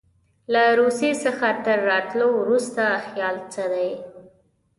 له روسیې څخه تر راوتلو وروسته خیال څه دی.